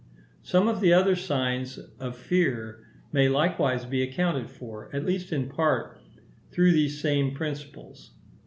Some of the other signs of fear may likewise be accounted for, at least in part, through these same principles.